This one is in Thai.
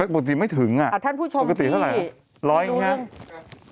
ปกติไม่ถึงท่านผู้ชมปกติเท่าไหร่๑๐๐อย่างนี้